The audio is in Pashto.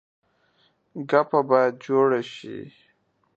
ګپه باید جوړه شي.